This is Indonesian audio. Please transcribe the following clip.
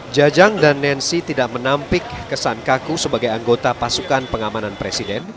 jajang dan nancy tidak menampik kesan kaku sebagai anggota pasukan pengamanan presiden